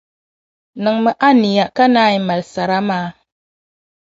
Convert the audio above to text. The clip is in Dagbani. Niŋmi a niya ka naai mali sara maa.